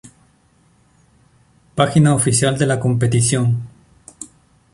Página oficial de la competición